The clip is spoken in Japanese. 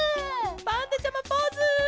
パンダちゃまポーズ！